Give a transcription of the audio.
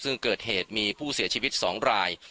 ซึ่งเกิดเหตุมีผู้เสียชีวิต๒ราย